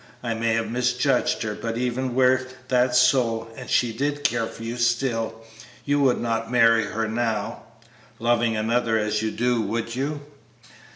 I may have misjudged her, but even were that so and she did care for you still, you would not marry her now, loving another as you do, would you?"